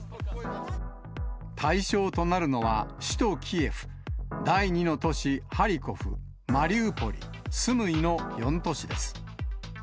対象となるのは、首都キエフ、第２の都市ハリコフ、マリウポリ、スムイの４都市です。